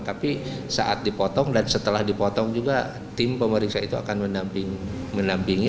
tapi saat dipotong dan setelah dipotong juga tim pemeriksa itu akan menampingi